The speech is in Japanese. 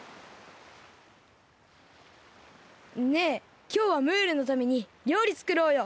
ねえきょうはムールのためにりょうりつくろうよ。